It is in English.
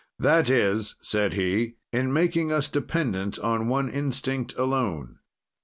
That is," said he "in making us dependent on one instinct alone.